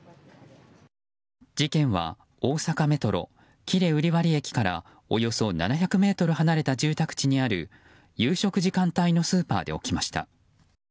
事件は大阪メトロ喜連瓜破駅からおよそ７００ｍ離れた住宅地にある夕食時間帯のスーパーで起きました。